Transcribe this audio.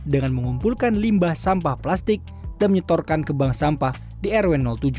dengan mengumpulkan limbah sampah plastik dan menyetorkan ke bank sampah di rw tujuh